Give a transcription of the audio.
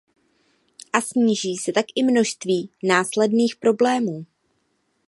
A sníží se tak i množství následných problémů.